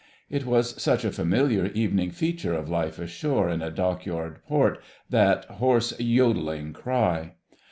It was such a familiar evening feature of life ashore in a Dockyard Port, that hoarse, "jodelling" cry.